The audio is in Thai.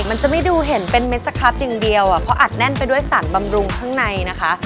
มันจะไม่ดูเห็นเป็นเม็ดสครับอย่างเดียวอ่ะเพราะอัดแน่นไปด้วยสารบำรุงข้างในนะคะ